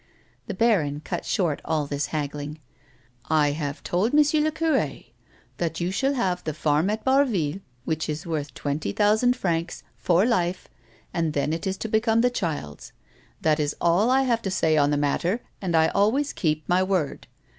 The baron cut short all this haggling. " I have told M. le cure that you shall have the farm at Barville, which is worth twenty thousand francs, for life, and then it is to become the child's. That is all I have to say on the matter, and I always keep' my word.